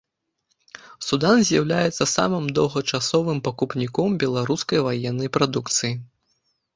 Судан з'яўляецца самым доўгачасовым пакупніком беларускай ваеннай прадукцыі.